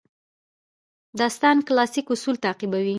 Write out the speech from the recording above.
داستان کلاسیک اصول تعقیبوي.